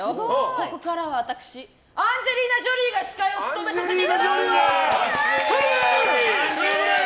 ここからは私アンジェリーナ・ジョリーが司会を務めさせていただくわ！